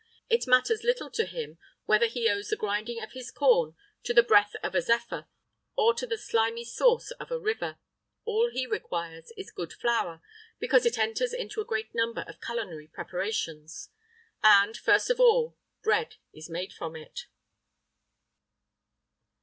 It matters little to him whether he owes the grinding of his corn to the breath of a zephyr or to the slimy source of a river; all he requires is good flour, because it enters into a great number of culinary preparations and, first of all, bread is made from it.